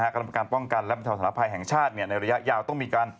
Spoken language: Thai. กรรมการป้องกันและบรรเทาสถานภัยแห่งชาติในระยะยาวต้องมีการ